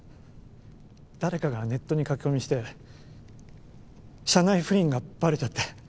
誰かがネットに書き込みして社内不倫がバレちゃって。